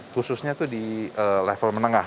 khususnya itu di level menengah